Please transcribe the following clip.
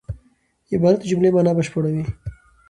عبارت د جملې مانا بشپړوي.